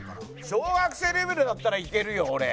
小学生レベルだったらいけるよ俺。